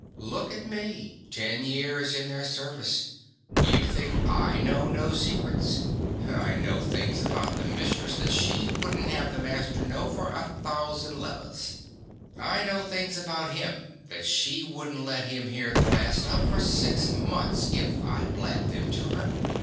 _) Look at me, ten years in their service. Do you think I know no secrets? I know things about the mistress that she wouldn't have the master know for a thousand levas. I know things about him that she wouldn't let him hear the last of for six months if I blabbed them to her.